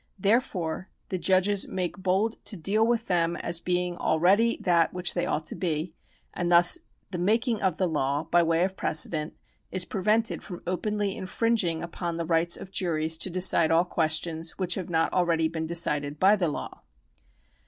Therefore the judges make bold to deal with them as being already that which they ought to be, and thus the making of the law by way of precedent is prevented from openly infringing upon the rights of juries to decide all questions which have not already been decided by the law.